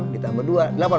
enam ditambah dua